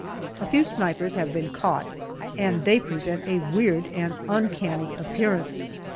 A few snipers have been caught, and they present a weird and uncanny appearance.